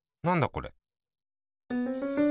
なんだこれ。